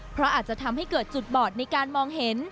เพราะอาจจะทำให้เกิดจุดบอดในการมองเห็น